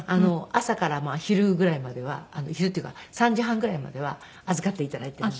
朝から昼ぐらいまでは昼っていうか３時半ぐらいまでは預かって頂いているんで。